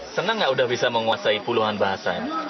senang gak udah bisa menguasai puluhan bahasa ini